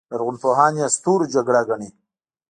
لرغونپوهان یې ستورو جګړه ګڼي